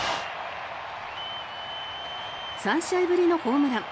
３試合ぶりのホームラン。